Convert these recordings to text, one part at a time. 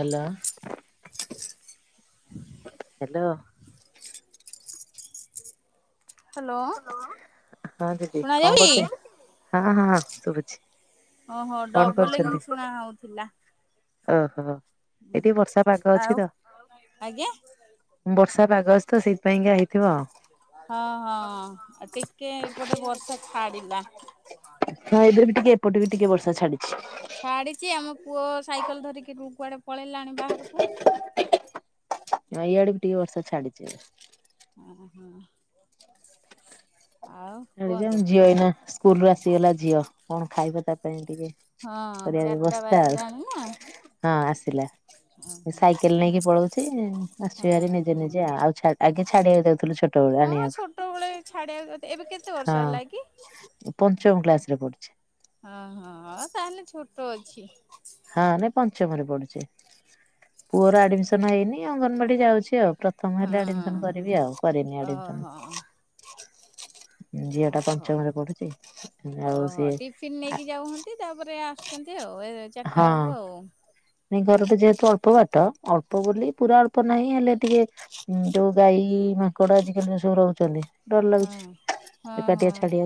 Hello hello. Hello. Hello ହଁ ଦିଦି ଶୁଣା କଣ ଯାଉଚି? କରୁଛନ୍ତି, ହଁ ହଁ ଶୁଭୁଛି। ହଁ ହଁ କଣ କରୁଛନ୍ତି? ଡବ୍ଲିଙ୍ଗ ଶୁଣା ହଉଥିଲା। ଓହୋ ଏଇ ଟିକେ ବର୍ଷା ପାଗ ଆଉ ଅଛି ତ ଆଜ୍ଞା ବର୍ଷା ପାଗ ଗ୍ୟାସ୍ ତ ସେଥିପାଇଁକା। ହଁ ହଁ ଟିକେ ଏପଟେ ବର୍ଷା ଛାଡ଼ିଲା। ଏବେବି ଟିକେ ଏପଟେ ବି ଟିକେ ବର୍ଷା ଛାଡ଼ିଛି। ଛାଡ଼ିଚି ଆମ ପୁଅ ସାଇକେଲ୍ ଧରିକି କୁଆଡ଼େ ପଳେଇଲାଣି ବାହାରକୁ। ନାଇଁ ଇଆଡ଼େ ବି ଟିକେ ବର୍ଷା ଛାଡ଼ିଛି। ହଁ ହଁ ଆଉ କୁହନ୍ତୁ। ଝିଅ ଏଇନା ସ୍କୁଲ୍ ରୁ ଆସିଗଲା ଝିଅ କଣ ଖାଇବା ତା ପାଇଁ ଟିକେ ହଁ କରିବା ଚାରିଟା ବ୍ୟବସ୍ଥା ବାଜିଲାଣି ନା ହଁ ଆସିଲା ସାଇକେଲ୍ ନେଇକି ପଳଉଛି ହଁ। ଆସିବାର ନିଜେ ନିଜେ ଆଉ ଆଗେ ଛାଡ଼ିବାକୁ ଯାଇଥିଲୁ ଛୋ ହଁ ଛୋଟବେଳେ ଛାଡ଼ିବାକୁ ଏବେ କେତେ ବର୍ଷ ହେଲା ହଁ କି? ପଞ୍ଚମ କ୍ଲାସ୍ ରେ ପଢ଼ୁଛି। ହଁ ହଁ ତାହେଲେ ଛୋଟ ଅଛି। ହଁ ନାଇଁ ପଞ୍ଚମରେ ପଢ଼ୁଛି ପୁଅର ଆଡମିସନ୍ ହେଇନି ଅଙ୍ଗନବାଡ଼ି ଯାଉଛି ଆଉ ତମ ହଁ ହେଲେ ଆଡମିସନ୍ କରିବି ଆଉ କରିନି ଓହୋ ଆଡମିସନ୍। ଝିଅ ଟା ଓହୋ। ପଞ୍ଚମରେ ପଢ଼ୁଛି ଆଉ ସିଏ ଏ ତାପରେ ଆସୁଛନ୍ତି ଆଉ ଏ ଚାରିଟା ହେବ ନିଜ ଘର ତ ଯେହେତୁ ଅଳ୍ପ ବାଟ ଅଳ୍ପ ବୋଲି ପୁରା ଅଳ୍ପ ନାହିଁ ହେଲେ ଟିକେ ଯଉ ଗାଈ ମାଙ୍କଡ଼ ଆଜିକାଲି ସବୁ ମିଶିକି ରହୁଛନ୍ତି। ଡର ଲାଗୁଛି ହଁ। ହଁ ହଁ ଏକାଟିଆ ଛାଡ଼ି।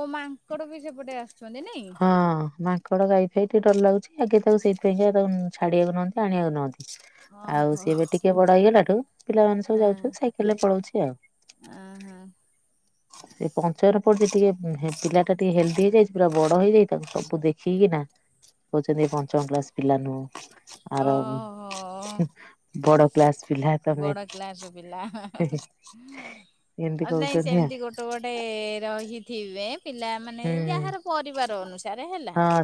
ଓ ମାଙ୍କଡ଼ ବି ସେପଟେ ଆସିଛନ୍ତି ନାଇଁ? ମାଙ୍କଡ଼ ଗାଇ ଫାଇ ଟିକେ ଡର ଲାଗୁଛି ଆଗେ ତାକୁ ସେଇଥିପାଇ ତାକୁ ଛଡ଼ିବାକୁୁଯାଆନ୍ତି ଆଣିବାକୁଯାଆନ୍ତି। ଆଉ ଓହୋ ସିଏ ଏବେ ଟିକେ ବଡ଼ ହେଇଗଲାଠୁ ପିଲାମାନେ ସବୁ ହଁ। ଯାଉଛନ୍ତି ସାଇକେଲରେ ପଳଉଛି ଆଉ। ଓହୋ ସେ ପଞ୍ଚର ପଢ଼ୁଛି ଟିକେ ପିଲାଟା ଟିକେ ହେଲଦି ହେଇଯାଇଛି ପୁରା ବଡ଼ ହେଇଯାଇଛି ତାକୁ ସବୁ ଦେଖିକିନା। କହୁଛନ୍ତି ପଞ୍ଚମ କ୍ଳାସ ପିଲା ନୁହଁ ଆର ଓହୋ ବଡ଼ କ୍ଲାସ ପିଲା। ତମେ ବଡ଼ କ୍ଲାସ୍ ର ପିଲା ଏମିତି କହୁଛନ୍ତି ଆଉ ସେମିତି ଗୋଟେ ଗୋଟେ ରହିଥିବେ ପିଲାମାନେ ହୁଁ ଯାହାର ପରିବାର ଅନୁସାରେ ହେଲା ହଁ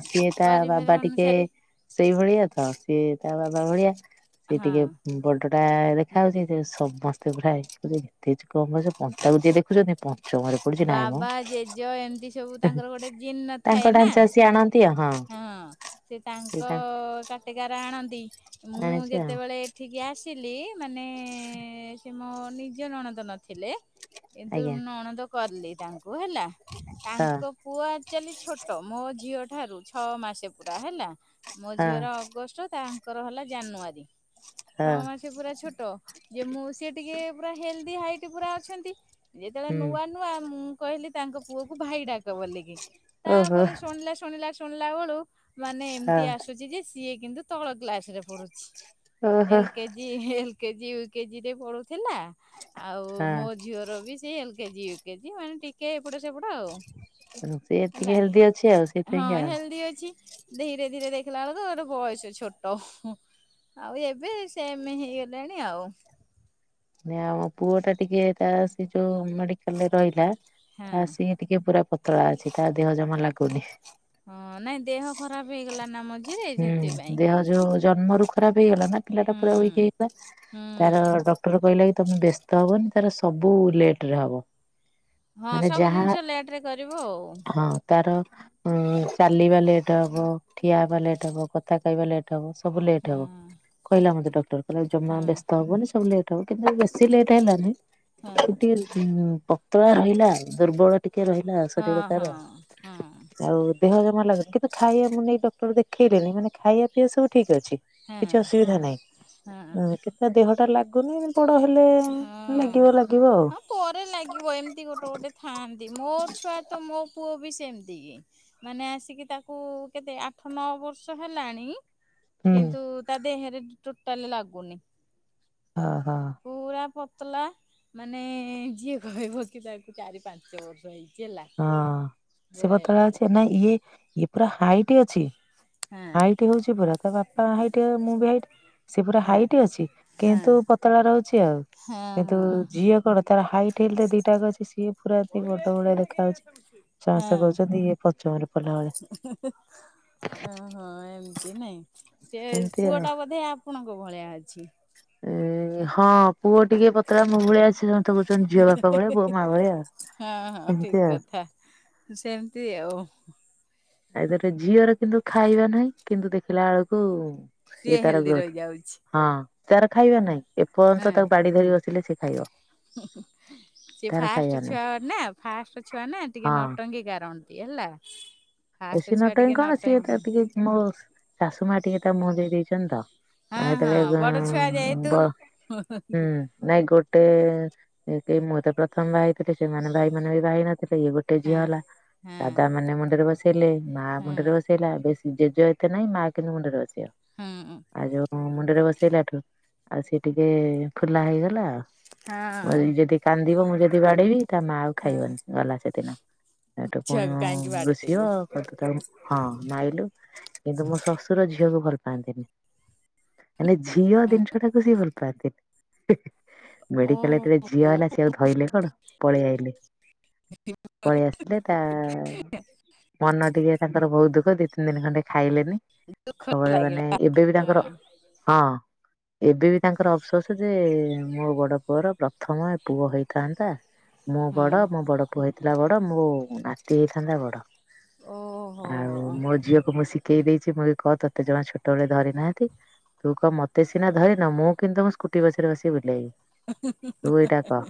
ପରିବାର ଅନୁସାରେ ସେଇ ଭଳିଆ ତ ସିଏ ତା ବାବା ଭଳିଆ ସେ ହଁ। ଟିକେ ବଡଟା ଦେଖା ଯାଉଛି ସେ ସମସ୍ତେ ପୁରା ଏତେଛି କ କର ପଣ୍ଟାକୁ ଯିଏ ଦେଖୁଛନ୍ତି [inaudible] ପଡୁଛି ନାଇଁ ମ ବାବା ଜେଜ ଏମିତି ସବୁ ତାଙ୍କର ଗୋଟେ ଜିିନ ଥାଏ ନା। ସ୍ୟାଣା ଆ ହଁ [inaudible] ହଁ ସେ ତାଙ୍କ ସେ କାଟକାର ଆଣନ୍ତି ମୁଁ ଆଣିଛି ଆଉ ଯେତେବେଳେ ଆସିଲି ମାନେ ସେ ମୋ ନିଜ ନଣନ୍ଦ ନଥିଲେ। କିନ୍ତୁ ଆଜ୍ଞା ନଣଦ କଲି ତାଙ୍କୁ ହେଲା ହଁ ତାଙ୍କ ପୁଅ ଆକ୍ଚୁଆଲି ଛୋଟ ମୋ ଝିଅ ଠାରୁ ଛଅ ମାସ ପୁରା ହେଲା ମୋ ହଁ ଝିଅର ଅଗଷ୍ଟ ତାଙ୍କର ହେଲା ଜାନୁଆରୀ ହଁ ଛଅ ମାସ ପୁରା ଛୋଟ ଯେ ମୁଁ ସେ ଟିକେ ପୁରା ହେଲ୍ଦି ହାଇଟ ପୁରା ଅଛନ୍ତି ଯେତେବେଳେ ହୁଁ। ନୂଆ ନୂଆ ମୁଁ କହିଲି ତାଙ୍କ ପୁଅ କୁ ଭାଇ ଡାକ ବୋଲିକି ଓହୋ ତାପରେ ଶୁଣିଲା ଶୁଣିଲା ଶୁଣିଲା ବେଳୁ ମାନେ ଏମିତି ହଁ ଆସୁଛି ଯେ ସିଏ କିନ୍ତୁ ତଳ କ୍ଲାସ ରେ ପଡୁଛି। ଓହୋ ଏଲ କେଜି ଏଲ କେଜି ଉ କେଜିରେ ପଢୁଥିଲା ଆଉ ହଁ ମୋ ଝିଅର ବି ସେ ଏଲ କେଜି ୟୁ କେଜି ମାନେ ଟିକେ ଏପଟ ସେପଟ ଆଉ। ତ ସେ ଟିକେ ହେଲ୍ଦି ଅଛି ଆଉ ସେଥିପାଇଁକା। ଛି ଧୀରେ ଧୀରେ ଦେଖିଲା ବେଳକୁ ଗୋଟେ ବୟସ ଛୋଟ। ଆଉ ଏବେ ସେମ ହେଇଗଲାଣି ଆଉ। ଆମ ପୁଅ ଟା ଟିକେ ତା ସେ ଯୋଉ ମେଡିକାଲରେ ରହିଲା ହଁ। ତା ଆସି ଟିକେ ପୁରା ପତଳା ଅଛି ତା ଦେହ ଜମା ଲାଗୁନି। ହଁ ନାଇଁ ଦେହ ଖରାପ ହେଇଗଲା ନା ମଝିରେ ହୁଁ ସେଥିପାଇଁ ଦେହ କି। ଜନ୍ମରୁ ଖରାପ ହେଇଗଲା ନା ପିଲା ଟା ପୁରା ୱିକ୍ ହୁଁ। ହେଇଗଲା ହୁଁ ତାର ଡ଼ ଟର କହିଲା କି ତମେ ବ୍ୟସ୍ତ ହବନି ତାର ସବୁ ଲେଟରେ ହବ। ହଁ ମାନେ ସବୁ ଯାହା ଜିନିଷ ଲେଟରେ କରିବ ଆଉ। ହଁ ତାର ଉ ଚାଲିବା ଲେଟ୍ ହବ ଠିଆ ହେବା ଲେଟ୍ ହବ କ ଥା କହିବା ଲେଟ୍ ହବ ସବୁ ଲେଟ୍ ହଁ। ହବ କହିଲା ମୋତେ ଡକ୍ଟର କହିଲା ଜମା ହଁ ବ୍ୟସ୍ତ ହବନି ସବୁ ଲେ କିନ୍ତୁ ବେଶୀ ଲେଟ୍ ହେଲାନି ହଁ ସେଠି ପତଳା ରହିଲା ଦୁର୍ବଳ ଟିକେ ରହିଲା ହଁ ଶରୀର ତାର ହଁ ହଁ ଆଉ ଦେହ ଜମା ଲାଗୁଛି କିନ୍ତୁ ଖାଇବା ମୁଁ ନେଇ ଡକ୍ଟର ଦେଖେଇଲିି ମାନେ ଖାଇବା ପିଇବା ସବୁ ଠିକ୍ ଅଛି କିଛି ହଁ ଅସୁବିଧା ନାହିଁ। ହଁ ତା ଦେହଟା ଲାଗୁନି ବଡ଼ ହେଲେ ହଁ। ଲାଗିବ ଲାଗିବ ଆଉ। ହଁ ପରେ ଲାଗିବ ଏମିତି ଗୋଟେ ଗୋଟେ ଥାଆନ୍ତି ମୋର ଛୁଆ ତ ମୋ ପୁଅ ବି ସେମିତି କି ମାନେ ଆସିକି ତାକୁ କେତେ ଆଠ ନଅ ବର୍ଷ ହେଲାଣି ହୁଁ କିନ୍ତୁ ତା ଦେହରେ ଟୋଟାଲ ଲାଗୁନି। ହଁ ହଁ। ପୁରା ପତଲା ମାନେ ଯିଏ କହିବ କି ତାକୁ ଚାରି ପାଞ୍ଚ ବର୍ଷ ହେଇଛି। ହେଲା ହଁ ସେ ପୁରା ପତଳା ଏମିତି ଅଛି ନାଇଁ ଇଏ ଇଏ ପୁରା ହାଇଟ ଅଛି ହଁ ହାଇଟି ହଉଛି ପୁରା ତା ବାପା ହାଇଟି ମୁଁ ବି ହାଇଟି ସେ ପୁରା ହଁ ହାଇଟ୍ ଅଛି ହଁ କିନ୍ତୁ ପତଳା ରହୁଛି ଆଉ। ହଁ କିନ୍ତୁ ହଁ ଝିଅ କଣ ତାର ହାଇଟ ହେଲେ ଦିଟାକ ଅଛି ସିଏ ପୁରା ବଡ ବ ଖାଉଛି ଚାଷ ହଁ କହୁଛନ୍ତି ଇଏ ପଞ୍ଚମରେ ପଲାବେଳିଆ। ଓହୋ ଏମିତି ନାଇଁ ସେ ଏମିତି ପୁଅ ଆଉ। ଟା ବୋଧେ ଆପଣଙ୍କ ଭଳିଆ ଅଛି? ଏ ହଁ ପୁଅ ଟିକେ ପତଳା ମୁଁ ଭଳିଆ ଆ ଛି କହୁଛନ୍ତି ଝିଅ ବାପା ଭଳିଆ ପୁଅ ମା ଭଳିଆଉ ସେମିତି ଆଉ ହା। ସେମିତି ଆଉ। ଏ ତଟ ଝିଅର କିନ୍ତୁ ଖାଇବା ନାହିଁ କିନ୍ତୁ ଦେଖିଲା ବେଳକୁ ସିଏ ତାର ହେଲଦି ଗ୍ରୋଥ ରହିଯାଉ ହଁ ତାର ଖାଇବା ନାଇଁ ଏପର୍ଯ୍ୟନ୍ତ ତାକୁ ବାଡି ଧରିକି ବସିଲେ ସେ ଖାଇବ। ସେ ତାର ଖାଇବା ଫାଷ୍ଟ ନାହିଁ ଛୁଆ ନା ଫାଷ୍ଟ ଛୁଆ ନା ଟିକେ ହଁ ନଟ ଙ୍କି କରନ୍ତି ହେଲା। ବେଶୀ ଫାଷ୍ଟ ଛୁଆ ନଟଙ୍କି ଟିକେ କଣ ସିଏ ନଟଙ୍ଗୀ ଟିକେ ମୋ ଶାଶୁ ମା ଟିକେ ତା ମୁହଁ ଦେଇ ଦେଇଛନ୍ତି ତ। ହଁ ଆ ହଁ ଯେତେବେଳେ ଗ ବଡ ଛୁଆ ବ ଯେହେତୁ ହୁଁ। ନାଇଁ ଗୋଟେ କି ମୁଁ ତ ପ୍ରଥମ ବାହା ହେଥିଲି ସେମାନେ ଭାଇ ମାନେ ବି ବାାଇ ନଥିଲେ ଇଏ ଗୋଟେ ଝିଅ ହେଲା ଦାଦା ମାନେ ମୁଣ୍ଡରେ ବସେ ବସେଇଲେ ମା ମୁଣ୍ଡରେ ବସେଇଲା ବେଶୀ ଜେଜେ ଏତେ ନାଇଁ ମାଆ କିନ୍ତୁ ମୁଣ୍ଡରେ ବସେଇବ। ହୁଁ। ଆଉ ଯୋଉ ମୁଣ୍ଡରେ ବସେଇଲାଠୁ ଆଉ ସିଏ ଟିକେ ଫୁଲା ହେଇଗଲା ଆଉ। ଯଦି କାନ୍ଦିବ ମୁଁ ଯଦି ବାଡେଇବି ତା ମା ଆଉ ଖାଇବନି ଗଲା ସେଦିନ। ଏଟା ପୁଣି କାହିଁକି ମୁଁ ଋସି ବାଡେଇଲୁ? ହଁ ମାଇଲୁ କିନ୍ତୁ ମୋ ଶ୍ୱଶୁର ଝିଅକୁ ଭଲ ପାଆନ୍ତିନି। ମାନ ଝିଅ ଜିନିଷ ଟାକୁ ସେ ଭୁଲ ପାଆନ୍ତିନି। ଓ ମେଡ଼ିକାଲ୍ ରେ ଯେତେବେଳେ ଝିଅ ହେଲା ସେ ସେ ଆଉ ଧଇଲେ କଣ ପଳେଇ ଆଇଲେ ପଳେଇ ଆସିଲେ ତା ମନ ଟିକେ ତାଙ୍କର ବହୁତ୍ ଦୁଃଖ ଦି ତିନି ଦିନ ଖଣ୍ଡେ। ଖାଇଲେନି ଦୁଃଖ ସବୁବେଳେ ମାନେ ଲାଗିଲା ଏବେ ବି ତାଙ୍କର ହଁ। ଏବେ ବି ତାଙ୍କର ଅଫସୋସ ଯେ ମୋ ବଡ ପୁଅର ପ୍ରଥମ ପୁଅ ହେଇଥାନ୍ତା। ମୁଁ ହଁ ହଁ ବଡ ମୋ ବଡ ପୁଅ ହେଇଥିଲା ବଡ ମୋ ନାତି ହେଇଥାନ୍ତା ବଡ। ଓ ହୋ ଆଉ ମୋ ଝିଅକୁ ମୁଁ ଶିଖେଇ ଦେଇଛି ମୁଁ ବି କହ ତୋତେ ଜଣ ଛୋଟବେଳେ ଧରି ନାହାନ୍ତି। ତୁ କହ ମତେ ସିନା ଧରିନ ମୁଁ କିନ୍ତୁ ମୁ ସ୍କୁଟି ବସରେ ବସିକି ବୁଲେଇବି। ତୁ ଏଇଟା କହ।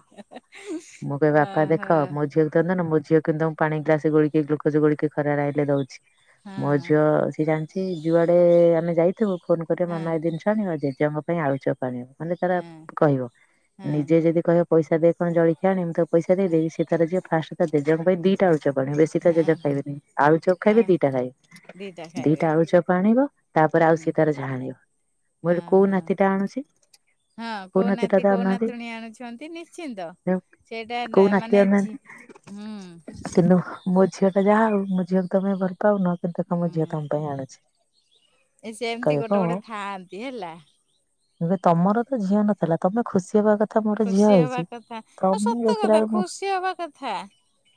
ମୁଁ କହିବ ବାପା ହଁ ହଁ ଦେଖ ମୋ ଝିଅକୁ ଦେ ନା ମୋ ଝିଅ କିନ୍ତୁ। ପାଣି ଗ୍ଲାସ ଗୋଳିକି ଗ୍ଲୁକୋଜ ଗୋଳିକି ଖରାରେ ଆଇଲେ ଦଉଛି ମୋ ହଁ ଝିଅ ସିଏ ଜାଣି। ଛି ଯୁଆଡେ ଆମେ ଯାଇଥିବୁ ଫୋନ କରିବ ହଁ ମାମା ଏ ଜିନିଷ ଆଣିବ ଜେଜେଙ୍କ ପାଇଁ ଆଳୁ ଚପ୍। ମାନେ ତାର ହଁ କହିବ। ନିଜେ ଯେଦି କହିବ ପଇସା ଦେଇ କଣ ଜଳଖିଆ ଆଣିବି ମୁଁ ତାକୁ ପଇସା ଦେଇଦେବି ସେଇ ତାର ଯିବ ଫାଷ୍ଟ। ଜେଜେଙ୍କ ପାଇଁ ଦିଟା ଆଳୁ ଚପ୍ ଆଣିବ ବେଶୀ ତା ଜେ ହଁ ଖାଇବେନି ଆଳୁ ଚପ୍ ହଁ ଖାଇବେ ଦିଟା ଖାଇବେ ଦିଟା ଆଳୁ ଚପ୍ ଆଣିବ ତାପରେ ହୁଁ ଆଉ ସେ ତାର ଜାଣିବ ମୁଁ କହିଲି କୋଉ ଓହୋ ନାତି ଟା ଆଣୁଛି? ହଁ କୋଉ ନାତିଟା ନାତି ତ କୋଉ ଆଣୁନାହାନ୍ତି ନାତୁଣୀ ଆଣୁଛନ୍ତି ନିଶ୍ଚିନ୍ତ। ସେଇଟା ନା କୋଉ ନାତି ମାନେ ଝୀ ଆଣୁନାହାନ୍ତି କିନ୍ତୁ ମୋ ଝିଅ ଟା ଯାହା ହଉ ମୋ ଝିଅକୁ ତମେ ଭଲ ପାଉନ କିନ୍ତୁ ହୁଁ ତମ ଝିଅ ତମ ପାଇଁ ଆଣୁଛି। ଏ ସେମତି କହିବେ ଗୋଟେ ଗୋଟେ ଥାଆନ୍ତି ହେଲା। ମୁଁ କହିଲି ତମର ତ ଝିଅ ନଥିଲା ତମେ ଖୁସି ହବା କଥା। ମୋର ଝିଅ ଖୁସି ହବା ହେଇଛି। କଥା ଆଉ ତମେ ସତ ଦେଖିଲା କଥା ବେଳକୁ ଖୁସି ହବା କଥା।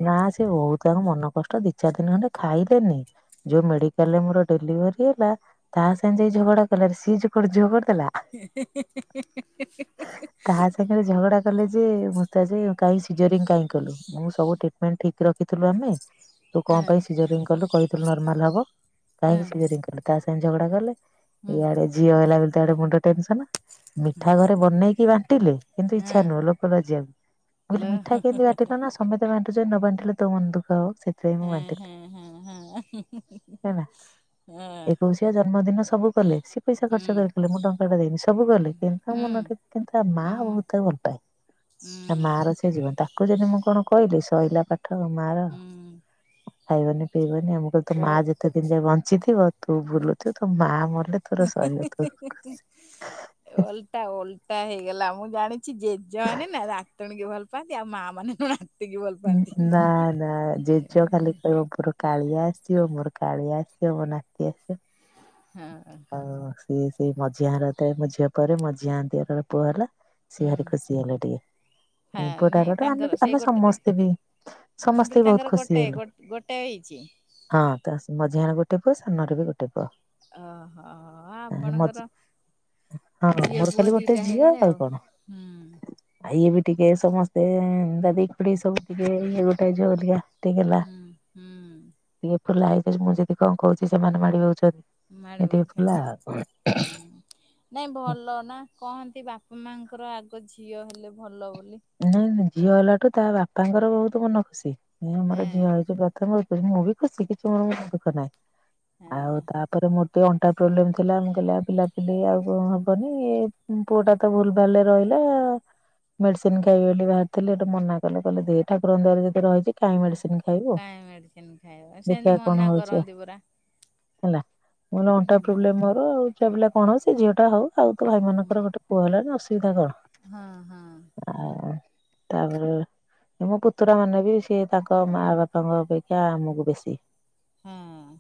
ନା ସିଏ ବହୁତ ତାଙ୍କ ମନ କଷ୍ଟ ଦି ଚାରି ଦିନି ଖଣ୍ଡେ ଖାଇଲେନି। ଯୋଉ ମେଡିକାଲ ରେ ମୋର ଡେଲିଭରି ହେଲା ତାହା ସାଙ୍ଗେ ଯାଇଁକି ଝଗଡା କଲେ ସିଏ କଣ ଝିଅ କରି ଦେଲା। [inaudible] ତାହା ସାଙ୍ଗରେ ଝଗଡା କଲେ ଯେ ମତେ ଆଜି କାଇଁ ସିଜରିଂ କାଇଁ କଲୁ ମୁଁ ସବୁ ଟ୍ରିକମେଣ୍ଟ ଠି ରଖିଥିଲୁ ଆମ। ତୁ କଣ ହଁ ପାଇଁ ସିଜରିଂ କଲୁ କହିଥିଲୁ ନର୍ମାଲ ହବ ହଁ କାହିଁକି ସିଜରିଂ କଲୁ ତା ସାଙ୍ଗେ ଝଗଡା କଲେ। ହଁ ଇଆଡ଼େ ଝିଅ ହେଲା ବଲିତ ମୁଣ୍ଡ ଟେନସନ। ମିଠା ଘରେ ବନେଇକି ବାଣ୍ଟିଲେ କିନ୍ତୁ ହଁ ଇଚ୍ଛା ନୁହଁ ଲୋକ ଲଜ୍ୟକୁ। ମୁଁ କହିଲି ଲୋ ମିଠା ହଁ କେମିତି ବାଣ୍ଟିଲ ନା ସମେତ ବାଣ୍ଟୁଛନ୍ତି ନ ବାଣ୍ଟିଲେ ତୋ ମନ ଦୁଃଖ ହବ ସେ ସେଥି ପାଇଁ ମୁଁ ବାଣ୍ଟିଲି ହଁ ହଁ ହଁ ହେଲା ହଁ ଏକ ଝିଅ ଜନ୍ମଦିନ ସବୁ କଲେ, ସିଏ ପଇସା ଖର୍ଚ୍ଚ କରି ହୁଁ କଲେ, ମୁଁ ଟଙ୍କାଟା ଦେଇନି ସବୁ କଲେ କିନ୍ତୁ ହୁଁ ମନ ଟି କିନ୍ ତା ମା ହୁଁ ବୋହୁତ ତାକୁ ଭଲ ପାଏ। ହୁଁ ତା ମାର ସେ ଜୀବନ ତାକୁ ଯଦି ମୁଁ କଣ କହିଲି ଶଇଲା ପାଠ ମାର। ହୁଁ ଖାଇବନି ପିବନି ଆମକୁ ତୋର ତ ଓ ମା ଯେତେ ଦିନ ଯାଏ ବଞ୍ଚିଥିବ ତୁ ବୁଲୁଥିବୁ ତୋ ମା ମଲେ ତୋର ସରିବ ତୋ ଓଲ୍ଟା ଓଲ୍ଟା ହେଇଗଲା ମୁଁ ଜାଣିଛି ଜେଜ ମାନେ ନାତୁଣୀ କି ଭଲ୍ ପାନ୍ତି ଆଉ ମା ମାନେ ନା ନା ନା ଜେଜ ଖାଲି କଇବ ପୁରୁ କାଳିଆ ଆସିବ ମୋର କାଳିଆ ଆସିବ ମୋ ନାତି ଆସିବ। ହଁ। ଆଉ ସିଏ ସେଇ ମଝିଆଁର ତାଏ ମୋ ଝିଅ ପରେ ମଝି ଆନ୍ତିର ପୁଅ ହେଲା। ସେ ହୁଁ ଭାରି ଖୁସି ହେଲେ ଟିକେ। ହଁ ମୋ ନାଇଁ ପୁଅଟାର ତ ତାଙ୍କର ସେଇ ଆମେ ଗୋଟେ ସମସ୍ତେ ବି ମୁଁ କହିଲି ସମସ୍ତେ ବି ତାଙ୍କର ବୋହୁତ ଖୁସି ଗୋଟେ ହେଲୁ। ଗୋଟେ ହେଇଚି। ହଁ ତ ମଝିଆଁର ଗୋଟେ ପୁଅ ସାନରେ ବି ଗୋଟେ ପୁଅ। ଓହୋ ହ ମଝି ଆପଣଙ୍କର ହଁ ଝିଅ ମୋର ପୁଅ ଖାଲି ଗୋଟେ ଦିଟା ଝିଅ ହେଇଗଲେ ଆଉ କଣ। ହୁଁ। ଆଉ ଇଏ ବି ଟିକେ ସମସ୍ତେ-ଏ ଦାଦି ଖୁଢୀ ସବୁ ଟିକେ ଇଏ ଗୋଟେ ଝିଅ ପରିକା ହୁଁ ହୁଁ। ଇଏ ପୁ [unintelligible] ମୁଁ ଯଦି କଁ କହୁଚି ସେମାନେ ମାଡି ବଉଚନ୍ତି। ମାଡ଼ି ବଉଛନ୍ତି ହୁଁ। ନାଇଁ ଭଲ ନା କହନ୍ତି ବାପା ମାଙ୍କର ଆଗ ଝିଅ ହେଲେ ଭଲ ବୋଲି। ନାଇଁଁ ନାଇଁ ଝିଅ ହେଲାଠୁ ତା ବାପାଙ୍କର ବୋହୁତୁ ମନ ଖୁସି ଆମର ଏଁ ଝିଅ ହେଇଛି ପ୍ରଥମ। ମୁଁ ବି ଖୁସି କିଛି ମୋର ଦୁଃଖ ନାହିଁ ଆଉ ହଁ ତା ପରେ ମୋର ତ ଅଣ୍ଟା ପ୍ରୋବ୍ଲେମ୍ ଥିଲା ମୁ କଇଲି ପିଲାପିଲି ଆଉ କଁ ହବନି-ଇ ଏ ପୁଅ ଟା ତ ଭୁଲ ଭାଲରେ ରହିଲା-ଆ। ସିନ୍ ଖାଇବି ବୋଲି ବାହାରିଥିଲି ଏଟୁ ମନା କଲେ କଲେ ଦେ ଠାକୁରଙ୍କ ଦୟାରୁ ଯଦି ରହିଚି କହିଁ ମେଡିସିନ ଖାଇବୁ କାହିଁ ମେଡିସିନ ଖାଇବ ଦେଖିଆ ସେମିତି କଣ ମନା ହୋଉଚି? କରନ୍ତି ପରା। ହେଲା ମୋର ଅଣ୍ଟା ହୁଁ ପ୍ରୋବ୍ଲେମ ମୋର ଆଉ ଛୁଆ ପିଲା କଣ ହଉ ସେ ଝିଅ ଟା ହଉ ଆଉ ତ ଭାଇ ହୁଁ ମାନଙ୍କର ଗୋଟେ ପୁଅ ହେଲାନି ଅସୁବିଧା କଣ? ହଁ ହଁ। ଆ ତାପରେ ମୋ ପୁତୁରା ମାନେ ବି ସିଏ ତାଙ୍କ ମା ବାପାଙ୍କ ଅପେକ୍ଷା ଆମକୁ ବେଶୀ ହଁ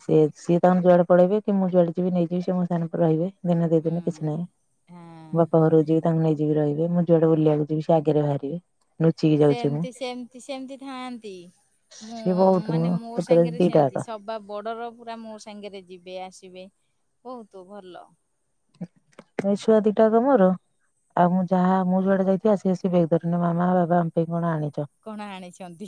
ସେ ସିଏ ତାଙ୍କର ଯୁଆଡେ ପଳେଇବେ କି ମୁଁ ଯୁଆଡେ ଯିବି ନେଇଯିବି ସିଏ ମୋ ସାଙ୍ଗରେ ରହିବେ। ଦିନେ ହୁଁ। ଦିଦିନି କିଛି ନାଇଁ, ହଁ ବାପ ଘରୁକୁ ଯିବି ତାଙ୍କୁ ନେଇଯିବି ରହିବେ ମୁଁ ଯୁଆଡେ ବୁଲିବାକୁ ଯିବି ସେ ଆଗରେ ଭାରିବେ। ସେମ୍ତି ସେମ୍ତି ସେମ୍ତି ଥାଆନ୍ତି ମୁଁ ସିଏ ବହୁତ ମାନେ ମୋ ପୁତୁରା ସାଙ୍ଗରେ ଦିଟା ଯାକ ସେମିତି ସବୁ ବା ବର୍ଡ଼ର ପୁରା ମୋ ସାଙ୍ଗରେ ଯିବେ ଆସିବେ ବୋହୁତ ଭଲ। ଏ ଛୁଆ ଦିଟା କ ମୋର ଆଉ ମୁଁ ଯାହା ମୁଁ ଯୁଆଡେ ଯାଇଥିବି ଆସିବେ ସେ ବେଗେ ଧରି ନା ମାମା ବାବା ଆମ ପାଇଁ କଣ ଆଣିଚ? କଣ ଆଣିଚନ୍ତି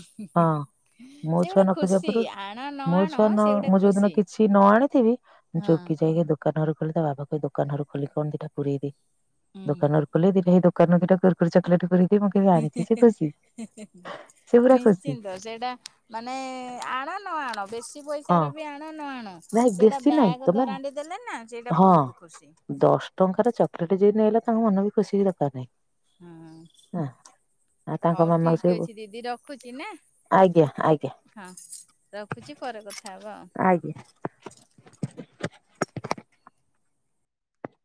ମୋ ସିଏ ଛୁଆ ଗୋଟେ ନ ଖୁସି ଆଣ ନ ଆଣ ସିଏ ଗୋଟେ ଯୋଉଦିନ ଖୁସି କିଛି ନ ଆଣିଥିବି ମୁଁ ହଁ ଚୋଉକି ଯାଇକି ଦୋ ଦୋକାନରୁ ଖୋଲି ତା ବାବା କହି ଦୋକାନରୁ ଖୋଲି କଣ ଦିଟା ପୁରେଇ ଦେ ହୁଁ। ଦୋକାନରୁ ଖୋଲି ଦିଟା ହେଇ ଦୋକାନରୁ ଦିଟା କୁର୍କୁରି, ଚକଲେଟ ପୁରେ ଆ ମୁଁ କେବେ ଆଣିଚି ସେ ଖୁସି ସେ ପୁରା ଖୁସି। ନିଶ୍ଚିନ୍ତ ସେଇଟା ମାନେ ଆଣ ନ ଆଣ ବେଶ କିଛି ହଁ ପଇସାର ବି ଆଣ ନ ଆଣ ନାଇଁ ସେଇଟା ବେଶୀ ନାଇଁ ବ୍ୟାଗ୍ ତମେ ଦରାଣ୍ଡି ଦେଲେ ନା ସେଇଟା ହଁ ବହୁତ ଖୁସି। ଦଶ ଟଙ୍କାର ଚକଲେଟ ଯଦି ନେଇଆଇଲା ତାଙ୍କ ମନ ବି ଖୁସି ହି ଦରକାର ନାହିଁ। ହଁ ହଁ ଆଉ ତାଙ୍କ ହଉ ମାମାକୁ ସେ ଠିକ ଅଛି ଦିଦି ରଖୁଛି ନା। ଆଜ୍ଞା ଆଜ୍ଞା। ହଁ ରଖୁଛି ପରେ କଥା ହେବା ଆଉ। ଆଜ୍ଞା।